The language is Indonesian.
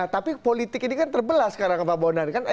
nah tapi politik ini kan terbelah sekarang pak bawonan